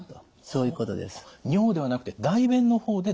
そういうことですね。